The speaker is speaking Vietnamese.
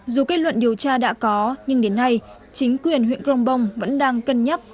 dù kết luận điều tra đã có nhưng đến nay chính quyền huyện công bông vẫn đang cân nhắc